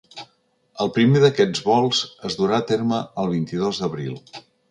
El primer d’aquests vols es durà a terme el vint-i-dos d’abril.